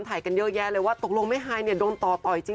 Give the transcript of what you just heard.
ถ่ายกันเยอะแยะเลยว่าตกลงแม่ฮายโดนต่อต่ออีกจริง